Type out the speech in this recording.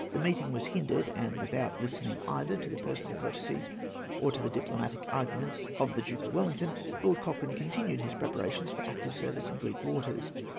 The meeting was hindered, and, without listening either to the personal courtesies or to the diplomatic arguments of the Duke of Wellington, Lord Cochrane continued his preparations for active service in Greek waters.